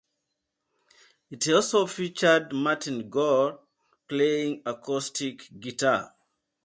It also featured Martin Gore playing acoustic guitar.